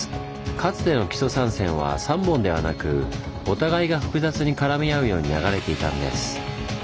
かつての木曽三川は３本ではなくお互いが複雑に絡み合うように流れていたんです。